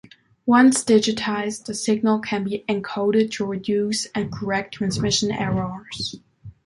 Once digitized, the signal can be encoded to reduce and correct transmission errors.